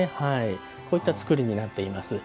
こういった造りになっています。